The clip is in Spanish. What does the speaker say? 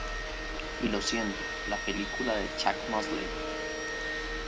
Y lo siento: la película de Chuck Mosley.